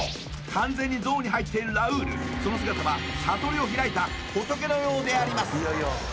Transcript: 完全にゾーンに入っているラウールその姿は悟りを開いた仏のようであります